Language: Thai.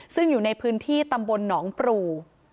ซึ่งอยู่ในพื้นที่ตำบลหนองปรู